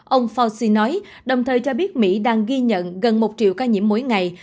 ông foci nói đồng thời cho biết mỹ đang ghi nhận gần một triệu ca nhiễm mỗi ngày